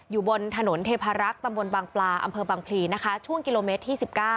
อยู่บนถนนเทพารักษ์ตำบลบางปลาอำเภอบางพลีนะคะช่วงกิโลเมตรที่๑๙